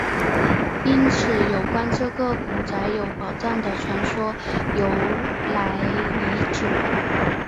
因此有关这个古宅有宝藏的传说由来已久。